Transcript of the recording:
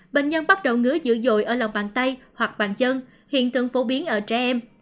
bệnh nhân bắt đầu ngứa dữ dội ở lòng bàn tay hoặc bàn chân hiện tượng phổ biến ở trẻ em